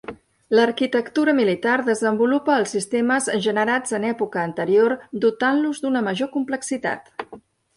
L'arquitectura militar desenvolupa els sistemes generats en època anterior, dotant-los d'una major complexitat.